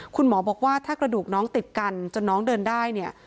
คุณหมอบอกว่าถ้ากระดูกน้องติดกันจนน้องเดินได้เนี่ย